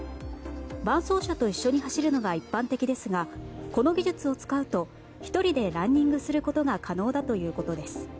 伴走者と一緒に走るのが一般的ですがこの技術を使うと１人でランニングすることが可能だということです。